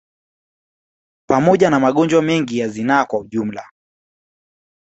Pamoja na magonjwa mengine ya zinaa kwa ujumla